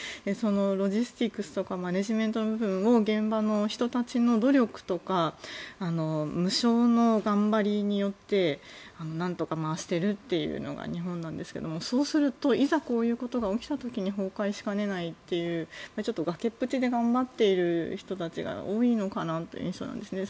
ロジスティクスとかマネジメントの部分を現場の人たちの努力とか無償の頑張りによってなんとか回しているというのが日本なんですがそうするといざ、こういうことが起きた時に崩壊しかねないっていう崖っぷちで頑張っている人たちが多いのかなという印象なんですね。